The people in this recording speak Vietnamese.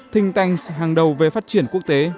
thinh tanks hàng đầu về phát triển quốc tế